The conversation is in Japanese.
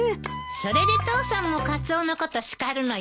それで父さんもカツオのこと叱るのよね。